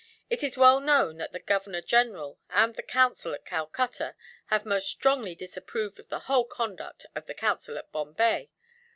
It is well known that the Governor General and the Council at Calcutta have most strongly disapproved of the whole conduct of the Council at Bombay.